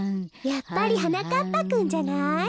やっぱりはなかっぱくんじゃない？え？